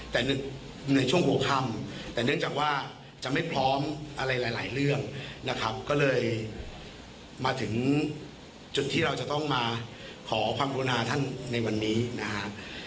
แต่ในช่วงหัวค่ำแต่เนื่องจากว่าจะไม่พร้อมอะไรหลายเรื่องนะครับก็เลยมาถึงจุดที่เราจะต้องมาขอความกรุณาท่านในวันนี้นะฮะ